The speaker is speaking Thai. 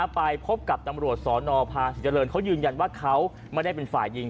ไปพบกับตำรวจสนภาษีเจริญเขายืนยันว่าเขาไม่ได้เป็นฝ่ายยิง